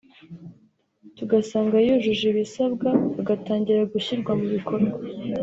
tugasanga yujuje ibisabwa agatangira gushyirwa mu bikorwa